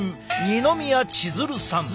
二宮千鶴さん。